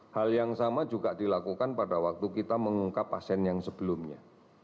hal yang sama juga dilakukan pada waktu kita mengungkap pasien yang sebelumnya